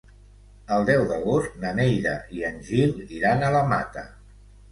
El deu d'agost na Neida i en Gil iran a la Mata.